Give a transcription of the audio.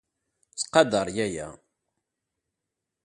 Ttqadar yaya.